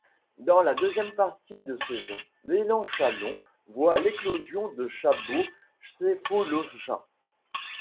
Dans la deuxième partie de saison, l'Élan Chalon voit l'éclosion de Thabo Sefolosha.